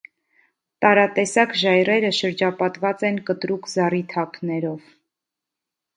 Տարատեսակ ժայռերը շրջապատված են կտրուկ զառիթափներով։